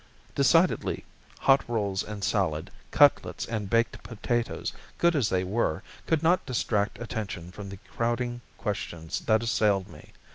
Decidedly, hot rolls and salad, cutlets and baked potatoes, good as they were, could not distract attention from the crowding questions that assailed me.